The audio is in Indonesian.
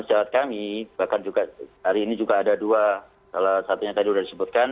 pejabat kami bahkan juga hari ini juga ada dua salah satunya tadi sudah disebutkan